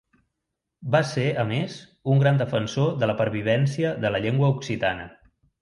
Va ser, a més, un gran defensor de la pervivència de la llengua occitana.